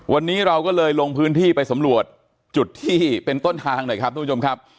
วันนี้เราก็เลยลงพื้นที่ไปสำรวจจุดที่เป็นต้นทางหน่อยครับทุกผู้ชมครับ